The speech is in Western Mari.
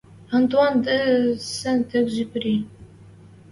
АНТУАН ДЕ СЕНТ ЭКЗЮПЕРИ